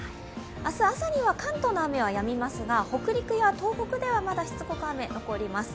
明日朝には関東の雨はやみますが北陸や東北では、まだしつこく雨、残ります。